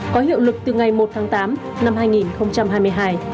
có hiệu lực từ ngày một tháng tám năm hai nghìn hai mươi hai